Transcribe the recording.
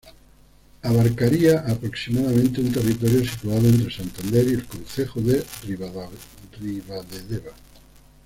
Abarcaría aproximadamente un territorio situado entre Santander y el concejo de Ribadedeva.